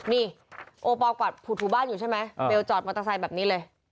นี่โอปอลกวัดผูดถูบ้านอยู่ใช่ไหมเบลจอดมอเตอร์ไซค์แบบนี้เลย